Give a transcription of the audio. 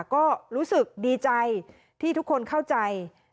ก็รู้สึกดีใจที่ทุกคนเข้าใจ